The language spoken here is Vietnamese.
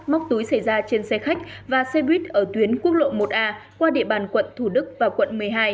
móc túi xảy ra trên xe khách và xe buýt ở tuyến quốc lộ một a qua địa bàn quận thủ đức và quận một mươi hai